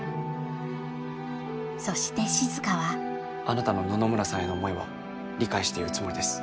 そして静はあなたの野々村さんへの思いは理解しているつもりです。